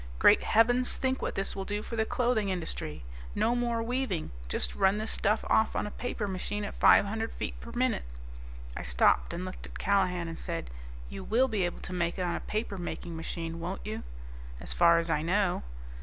"Great heavens, think what this will do for the clothing industry. No more weaving. Just run this stuff off on a paper machine at five hundred feet per minute." I stopped and looked at Callahan and said, "You will be able to make it on a paper making machine, won't you?" "As far as I know."